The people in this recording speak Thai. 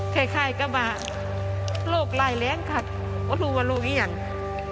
แค่ไขก็บาโรครายแหล้งขัดหัวรูหัวรูอย่างนี่